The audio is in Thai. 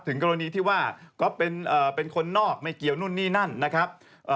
กรณีที่ว่าก๊อฟเป็นคนนอกไม่เกี่ยวนู่นนี่นั่นนะครับ